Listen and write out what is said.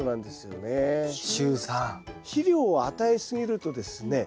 肥料を与えすぎるとですね